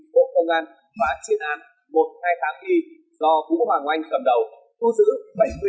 bộ công an và chiến an một trăm hai mươi tám i do vũ hoàng oanh cầm đầu